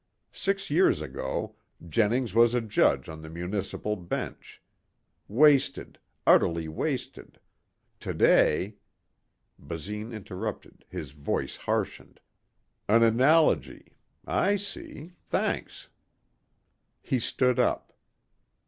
Six years ago Jennings was a judge on the municipal bench. Wasted ... utterly wasted ... today " Basine interrupted, his voice harshened. "An analogy. I see. Thanks." He stood up.